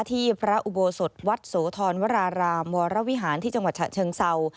ที่พระอุโบสถวัดโสธรวรารามวรวิหารที่จังหวัดฉะเชิงเศร้า